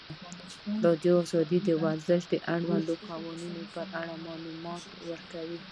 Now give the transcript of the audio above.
ازادي راډیو د ورزش د اړونده قوانینو په اړه معلومات ورکړي.